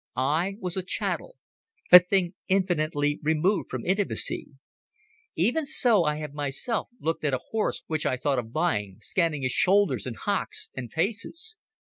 I was a chattel, a thing infinitely removed from intimacy. Even so I have myself looked at a horse which I thought of buying, scanning his shoulders and hocks and paces.